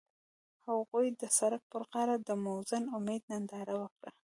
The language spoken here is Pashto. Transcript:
هغوی د سړک پر غاړه د موزون امید ننداره وکړه.